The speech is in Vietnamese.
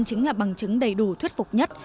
chính là bằng chứng đầy đủ thuyết phục nhất